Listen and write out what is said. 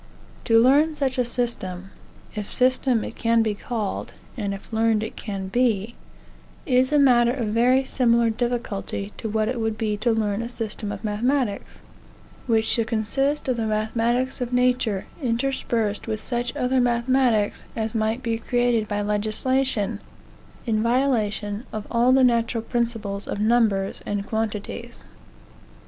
To learn such a system, if system it can be called, and if learned it can be, is a matter of very similar difficulty to what it would be to learn a system of mathematics, which should consist of the mathematics of nature, interspersed with such other mathematics as might be created by legislation, in violation of all the natural principles of numbers and quantities.